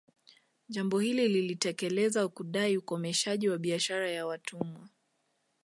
Jambo hili lilitekeleza kudai ukomeshaji wa biashara ya watumwa